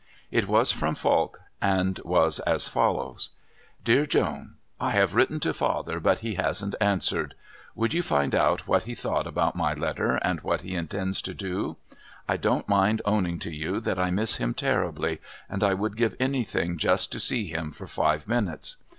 It was from Falk and was as follows: DEAR JOAN I have written to father but he hasn't answered. Would you find out what he thought about my letter and what he intends to do? I don't mind owning to you that I miss him terribly, and I would give anything just to see him for five minutes.